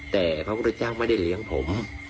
แต่พระพุทธเจ้าไม่ได้เลี้ยงผม